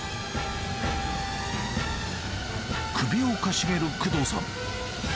首をかしげる工藤さん。